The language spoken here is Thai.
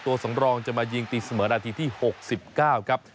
สำรองจะมายิงตีเสมอนาทีที่๖๙ครับ